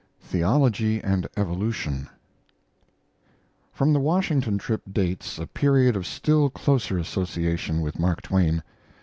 THEOLOGY AND EVOLUTION From the Washington trip dates a period of still closer association with Mark Twain.